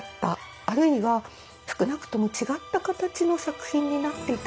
あるいは少なくとも違った形の作品になっていた。